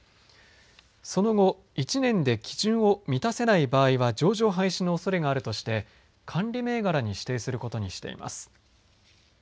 その後、１年で基準を満たせない場合は上場廃止のおそれがあるとして監理銘柄に指定することにしています。